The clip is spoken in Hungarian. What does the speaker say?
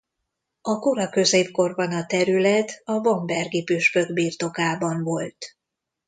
A kora középkorban a terület a bambergi püspök birtokában volt.